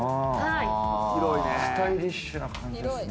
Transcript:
スタイリッシュな感じですね。